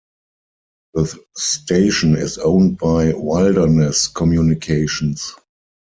The station is owned by Wilderness Communications.